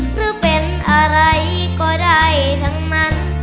หรือเป็นอะไรก็ได้ทั้งนั้น